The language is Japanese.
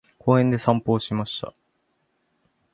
公園で散歩をしました。